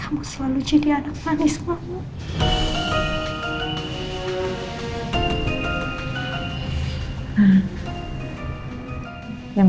kamu selalu jadi anak manis mama